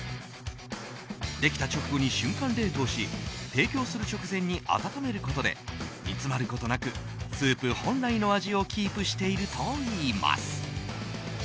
できた直後に瞬間冷凍し提供する直前に温めることで、煮詰まることなくスープ本来の味をキープしているといいます。